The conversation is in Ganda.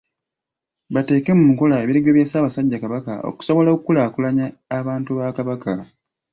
Bateeke mu nkola ebiragiro bya Ssaabasajja Kabaka, okusobola okukulaakulanya abantu ba Kabaka.